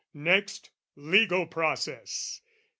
Next legal process!